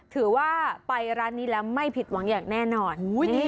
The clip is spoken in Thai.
ถือว่าไปร้านนี้แล้วไม่ผิดหวังอย่างแน่นอน